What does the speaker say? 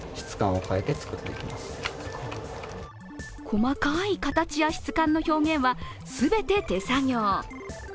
細かい形や質感の表現は全て手作業。